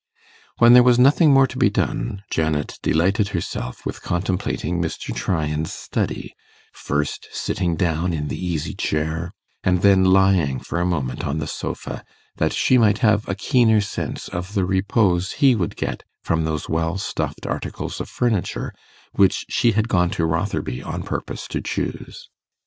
When there was nothing more to be done, Janet delighted herself with contemplating Mr. Tryan's study, first sitting down in the easy chair, and then lying for a moment on the sofa, that she might have a keener sense of the repose he would get from those well stuffed articles of furniture, which she had gone to Rotherby on purpose to choose.